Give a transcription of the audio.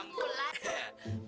mas ada aku lah